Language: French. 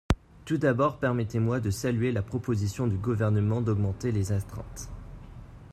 Tout d’abord, permettez-moi de saluer la proposition du Gouvernement d’augmenter les astreintes.